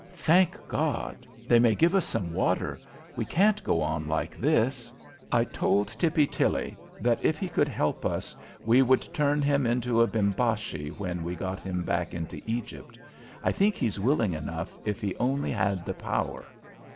"Thank God! They may give us some water. We can't go on like this." "I told Tippy Tilly that, if he could help us, we would turn him into a Bimbashi when we got him back into Egypt. I think he's willing enough if he only had the power.